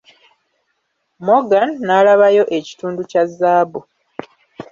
Morgan n'alabayo ekitundu kya zaabu.